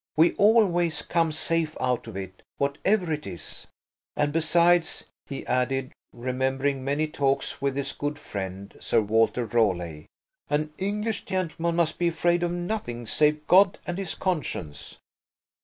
We always come safe out of it, whatever it is. And besides," he added, remembering many talks with his good friend, Sir Walter Raleigh, "an English gentleman must be afraid of nothing save God and his conscience."